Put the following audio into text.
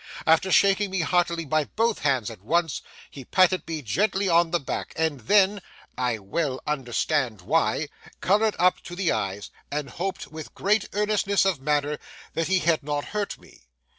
After shaking me heartily by both hands at once, he patted me gently on the back, and then—I well understood why—coloured up to the eyes, and hoped with great earnestness of manner that he had not hurt me.